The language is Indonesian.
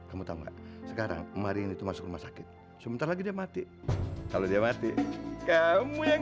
kamu tahu sekarang mari ini masuk rumah sakit sebentar lagi dia mati kalau dia mati kamu yang